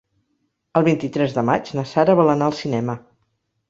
El vint-i-tres de maig na Sara vol anar al cinema.